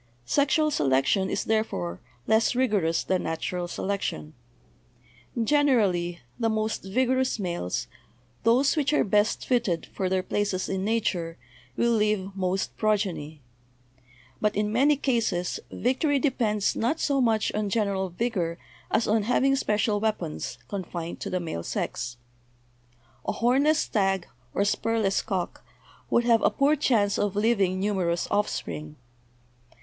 Sexual se lection is, therefore, less rigorous than natural selection. Generally, the most vigorous males, those which are best fitted for their places in nature, will leave most progeny. But in many cases victory depends not so much on gen eral vigor as on having special weapons, confined to the male sex. A hornless stag or spurless cock would have a poor chance of leaving numerous offspring.